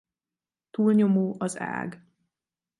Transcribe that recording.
Túlnyomó az ág.